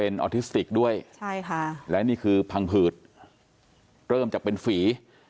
ออทิสติกด้วยใช่ค่ะและนี่คือพังผืดเริ่มจากเป็นฝี